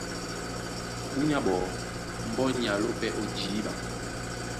Búnyá ɓɔɔ́ mbɔ́ ní alónɔ̄ pɛ́ ó jǐɓa,